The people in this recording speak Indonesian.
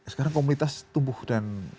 sekarang komunitas tubuh dan hidup